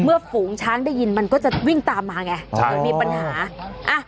ฝูงช้างได้ยินมันก็จะวิ่งตามมาไงใช่เหมือนมีปัญหาอ่ะ